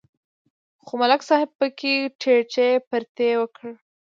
خو ملک صاحب پکې ټرتې پرتې وکړې